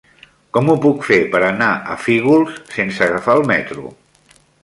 Com ho puc fer per anar a Fígols sense agafar el metro?